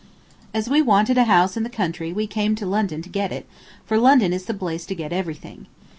As we wanted a house in the country we came to London to get it, for London is the place to get everything.